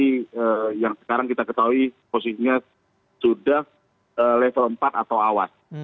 jadi yang sekarang kita ketahui posisinya sudah level empat atau awal